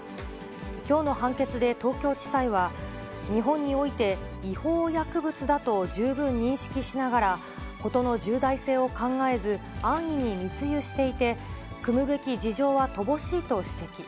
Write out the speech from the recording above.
きょうの判決で東京地裁は、日本において違法薬物だと十分認識しながら、事の重大性を考えず、安易に密輸していて、酌むべき事情は乏しいと指摘。